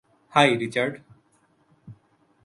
High, Richard.